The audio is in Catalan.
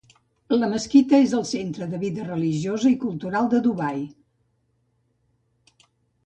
La mesquita és el centre de la vida religiosa i cultural de Dubai.